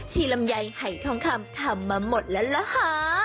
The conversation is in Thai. ชิลมใหญ่ให้ถ้องทำทำมาหมดแล้วนะฮะ